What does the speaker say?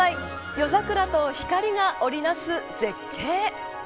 夜桜と光が織りなす絶景。